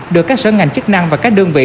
được các sở ngành chức năng và các đơn vị